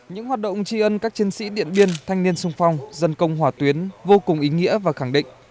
những hoạt động tri ân các chiến sĩ điện biên thanh niên sung phong dân công hỏa tuyến vô cùng ý nghĩa và khẳng định